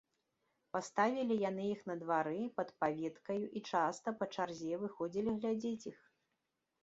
Паставілі яны іх на двары, пад паветкаю, і часта, па чарзе, выходзілі глядзець іх.